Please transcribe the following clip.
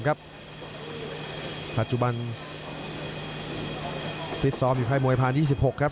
ปัจจุบันฟิศทรอมอยู่ให้มวยภาคภ๒๖ครับ